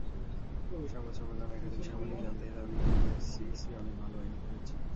সংবাদ সম্মেলনে একাধিক সাংবাদিক জানতে চান, বিএসইসি অনেক ভালো আইন করেছে।